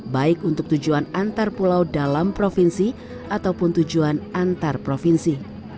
baik untuk tujuan antarpulau dalam provinsi ataupun tujuan antarprovinsi